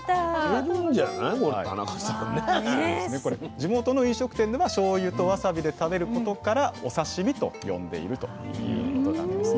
地元の飲食店ではしょうゆとわさびで食べることからお刺身と呼んでいるということなんですね。